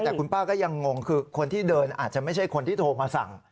แต่คุณป้าก็ยังงงคือคนที่เดินอาจจะไม่ใช่คนที่โทรมาสั่ง